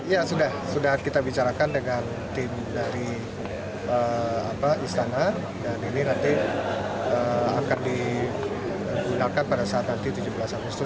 ya sudah sudah kita bicarakan dengan tim dari istana dan ini nanti akan digunakan pada saat nanti tujuh belas agustus